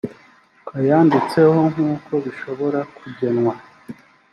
kayanditseho nk uko bishobora kugenwa